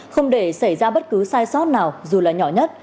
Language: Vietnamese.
không để xảy ra bất cứ sai sót nào dù là nhỏ nhất